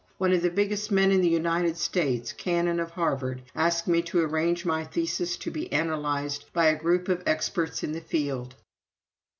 One of the biggest men in the United States (Cannon of Harvard) asked me to arrange my thesis to be analyzed by a group of experts in the field."